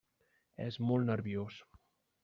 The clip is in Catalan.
És molt nerviós.